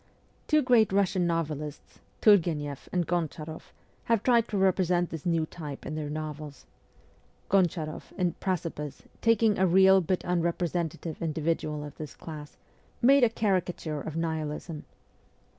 Two great Russian novelists, Turgueneff and Gonchar6ff, have tried to represent this new type in their novels. Goncharoff, in Precipice, taking a real but unrepresentative individual of this class, made a caricature of Nihilism.